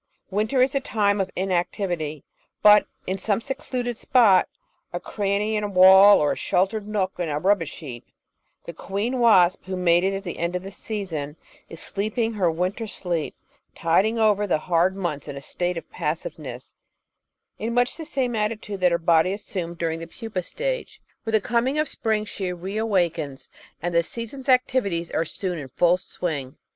Winter is the time of inactivity, but in some secluded spot, a cranny in a wall or a sheltered nook in a rubbish heap, the queen wasp, who mated at the end of last season, is sleeping her winter sleep, tiding over the hard months in a state of passiveness in much the same attitude that her body assumed during the pupa Natural Histoty 5^0 stage. With the coming of spring she reawakens, and the sea son's activities are soon in full swing.